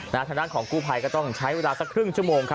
ทางด้านของกู้ภัยก็ต้องใช้เวลาสักครึ่งชั่วโมง